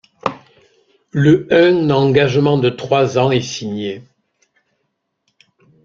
Le un engagement de trois ans est signé.